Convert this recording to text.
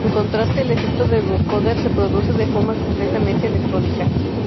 En contraste, el efecto del vocoder se produce de forma completamente electrónica.